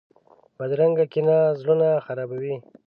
بدرنګه کینه زړونه خرابوي